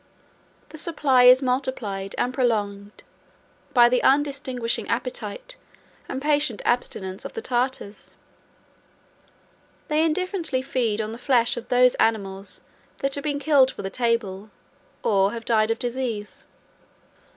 The supply is multiplied and prolonged by the undistinguishing appetite, and patient abstinence, of the Tartars. They indifferently feed on the flesh of those animals that have been killed for the table, or have died of disease.